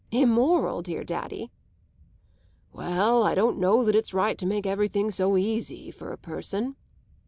"Immoral, dear daddy?" "Well, I don't know that it's right to make everything so easy for a person."